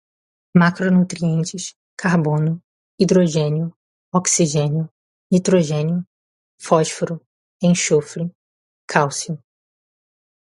macronutrientes, carbono, hidrogênio, oxigênio, nitrogênio, fósforo, enxofre, cálcio